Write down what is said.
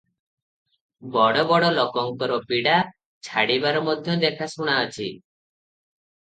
ବଡ଼ ବଡ଼ ଲୋକଙ୍କର ପୀଡ଼ା ଛାଡ଼ିବାର ମଧ୍ୟ ଦେଖା ଶୁଣାଅଛି ।